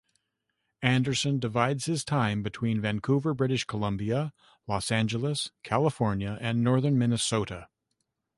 Anderson divides his time between Vancouver, British Columbia; Los Angeles, California; and northern Minnesota.